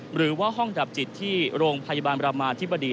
หรือว่าห้องดับจิตที่โรงพยาบาลประมาธิบดี